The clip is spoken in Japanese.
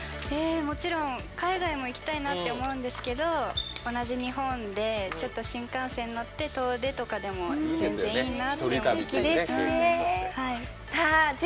もちろん海外も行きたいなって思うんですけど同じ日本で新幹線に乗って遠出とかもいいなって思います。